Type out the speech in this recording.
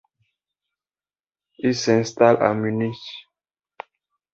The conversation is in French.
Il s'installe à Munich.